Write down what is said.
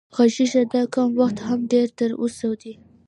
غږېږه دا کم وخت هم ډېر تر اوسه دی